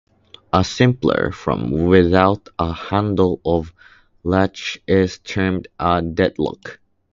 A simpler form without a handle or latch is termed a 'dead lock'.